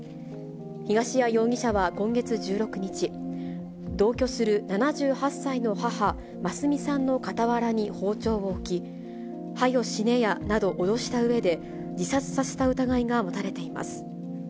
東谷容疑者は今月１６日、同居する７８歳の母、眞澄さんの傍らに包丁を置き、はよ死ねやなど脅したうえで、自殺させた疑いが持たれています。